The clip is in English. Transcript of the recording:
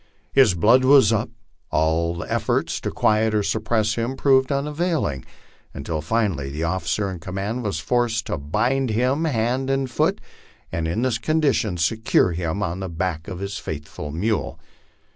133 His blood was up, and all efforts to quiet or suppress him proved unavailing, until finally the officer in command was forced to bind him hand and foot, and in this condition secured him on the back of his faithful mule.